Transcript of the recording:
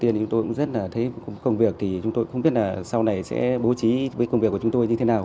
chúng tôi không biết là sau này sẽ bố trí công việc của chúng tôi như thế nào